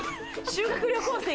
修学旅行生！